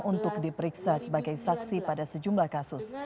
untuk diperiksa sebagai saksi pada sejumlah kasus